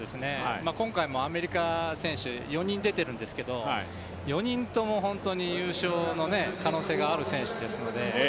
今回もアメリカ選手４人、出てるんですけど４人とも優勝の可能性がある選手ですので。